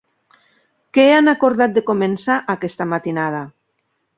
Què han acordat de començar aquesta matinada?